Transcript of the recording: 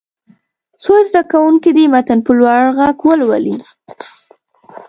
څو زده کوونکي دې متن په لوړ غږ ولولي.